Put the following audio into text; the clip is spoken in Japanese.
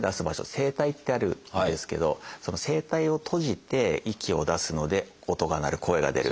声帯ってあるんですけどその声帯を閉じて息を出すので音が鳴る声が出る。